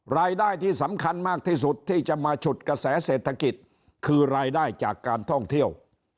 รายได้ที่สำคัญมากที่สุดที่จะมาฉุดกระแสเศรษฐกิจคือรายได้จากการท่องเที่ยว